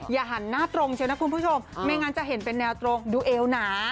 หันหน้าตรงเชียวนะคุณผู้ชมไม่งั้นจะเห็นเป็นแนวตรงดูเอวหนา